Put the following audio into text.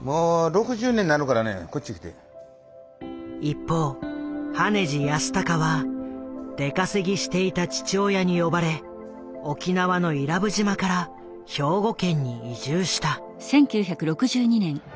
一方羽地靖隆は出稼ぎしていた父親に呼ばれ沖縄の伊良部島から兵庫県に移住した。